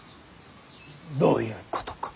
どういうことか。